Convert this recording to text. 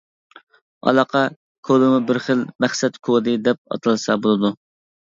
ئالاقە كودىمۇ بىر خىل «مەقسەت كودى» دەپ ئاتالسا بولىدۇ.